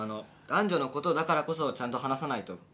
男女のことだからこそちゃんと話さないと。